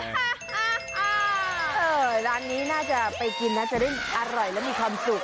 ร้านนี้น่าจะไปกินน่าจะได้อร่อยและมีความสุข